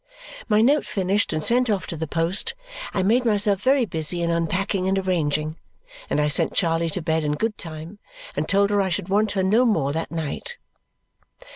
My note finished and sent off to the post, I made myself very busy in unpacking and arranging; and I sent Charley to bed in good time and told her I should want her no more that night.